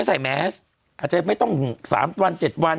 ใส่แมสอาจจะไม่ต้อง๓วัน๗วัน